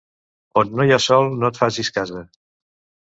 On no hi ha sol no et facis casa.